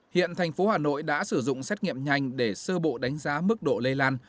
hiện thành phố hà nội đã sử dụng xét nghiệm nhanh để sơ bộ đánh giá mức độ lây lan